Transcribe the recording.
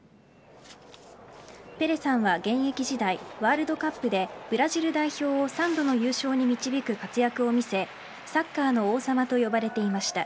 ペレさんは現役時代ワールドカップでブラジル代表を３度の優勝に導く活躍を見せサッカーの王様と呼ばれていました。